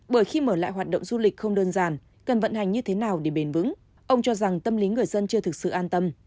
bởi khi mở lại hoạt động du lịch không đơn giản cần vận hành như thế nào để bền vững ông cho rằng tâm lý người dân chưa thực sự an tâm